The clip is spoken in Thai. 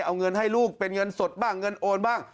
เอาเงินให้ลูกเป็นเงินสดบ้างเงินโอนบ้าง